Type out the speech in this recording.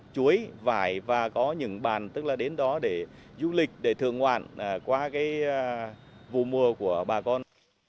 chuối vải và có những bàn tức là đến đó để du lịch để thường ngoạn qua vụ mùa của bà con